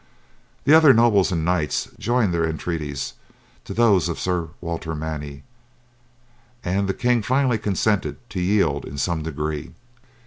The other nobles and knights joined their entreaties to those of Sir Walter Manny, and the king finally consented to yield in some degree.